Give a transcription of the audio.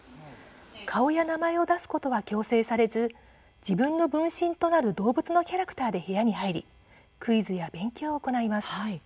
顔や名前を出すことは強制されず自分の分身となる動物のキャラクターで部屋に入りクイズや勉強を行います。